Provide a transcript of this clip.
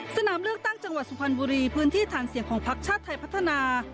สนามเลือกตั้งจังหวัดสุพรรณบุรีพื้นที่ฐานเสียงของพักชาติไทยพัฒนา